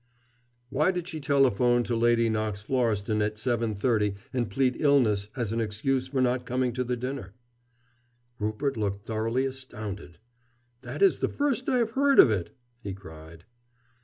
"Why did she telephone to Lady Knox Florestan at 7.30 and plead illness as an excuse for not coming to the dinner?" Rupert looked thoroughly astounded. "That is the first I have heard of it," he cried.